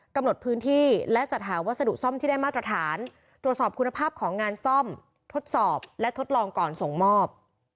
กำหนดพื้นที่และจัดหาวัสดุซ่อมที่ได้มาตรฐานตรวจสอบคุณภาพของงานซ่อมทดสอบและทดลองก่อนส่งมอบ